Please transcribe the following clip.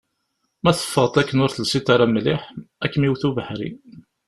Ma teffɣeḍ akken ur telsiḍ ara mliḥ, ad kem-iwet ubeḥri.